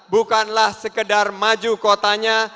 bukanlah sekedar maju kotanya